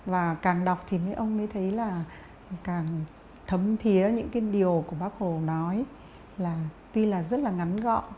và càng đọc thì ông mới thấy là càng thấm thiế những cái điều của bác hồ nói là tuy là rất là ngắn gọn